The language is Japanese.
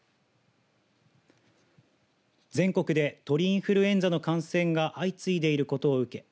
全国で鳥インフルエンザの感染が相次いでいることを受け